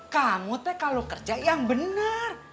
kamu tuh kalo kerja yang bener